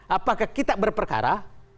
apakah kita berperkara